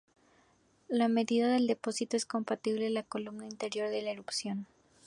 La medida del depósito es compatible la columna interior de la erupción.